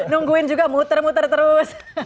nungguin juga muter muter terus